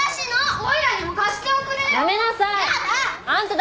おいらにも貸しておくれよやめなさいやだ！